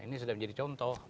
ini sudah menjadi contoh